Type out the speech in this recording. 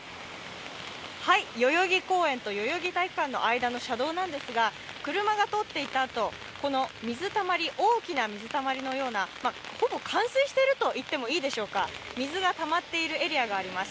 代々木公園と代々木体育館の間の車道なんですが車が通っていったあとこの大きな水たまりのようなほぼ冠水していると言ってもいいでしょうか、水がたまっているエリアがあります。